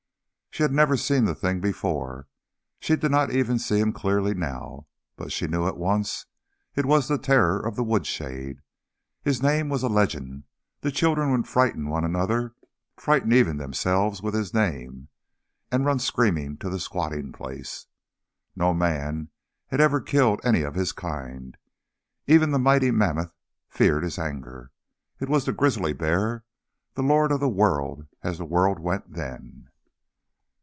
She had never seen the thing before, she did not even see him clearly now, but she knew at once it was the Terror of the Woodshade. His name was a legend, the children would frighten one another, frighten even themselves with his name, and run screaming to the squatting place. No man had ever killed any of his kind. Even the mighty mammoth feared his anger. It was the grizzly bear, the lord of the world as the world went then.